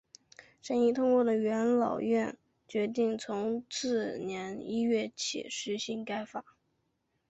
审议通过的元老院决定从次年一月起施行该法。